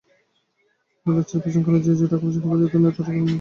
দলের চেয়ারপারসন খালেদা জিয়া ঢাকাবাসীকে হেফাজতের নেতা কর্মীদের পাশে দাঁড়াতে বলেছিলেন।